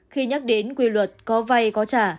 khi nhắc đến quy luật có vay có trả